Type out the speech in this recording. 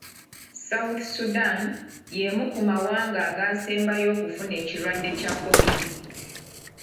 South Sudan y'emu ku mawanga agaasembayo okufuna ekirwadde kya Kovidi.